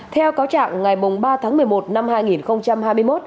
theo cáo trạng ngày ba tháng một mươi một năm hai nghìn hai mươi một